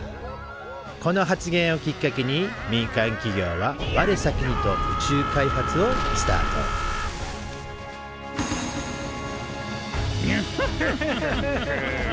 この発言をきっかけに民間企業は我先にと宇宙開発をスタートフッフッフッフッ！